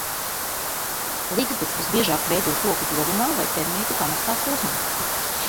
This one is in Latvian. Ligzdas visbiežāk veido koku dobumā vai termītu pamestā pūznī.